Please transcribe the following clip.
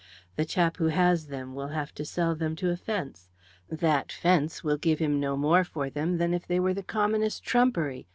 The chap who has them will have to sell them to a fence. That fence will give him no more for them than if they were the commonest trumpery.